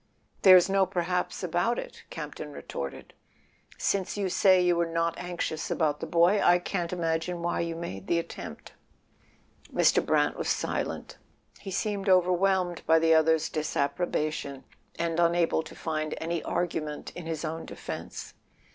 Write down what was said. "There's no perhaps about it," Campton retorted. "Since you say you were not anxious about the boy I can't imagine why you made the attempt." Mr. Brant was silent. He seemed overwhelmed by the other's disapprobation, and unable to find any argument in his own defence.